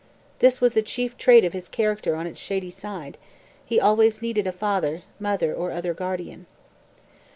This was the chief trait of his character on its shady side; he always needed a father, mother, or other guardian."